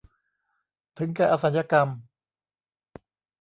ถึงแก่อสัญกรรม